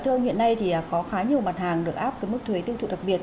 thưa ông hiện nay có khá nhiều mặt hàng được áp mức thuế tiêu thụ đặc biệt